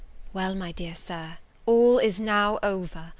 WELL, my dear Sir, all is now over!